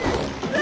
わ！